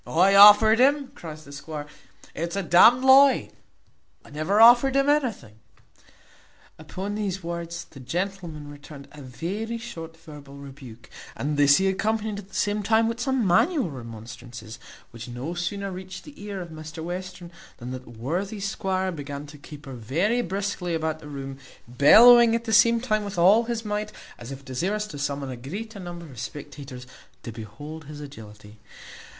"I offered him!" cries the squire; "it is a d n'd lie! I never offered him anything." Upon these words the gentleman returned a very short verbal rebuke, and this he accompanied at the same time with some manual remonstrances, which no sooner reached the ears of Mr Western, than that worthy squire began to caper very briskly about the room, bellowing at the same time with all his might, as if desirous to summon a greater number of spectators to behold his agility.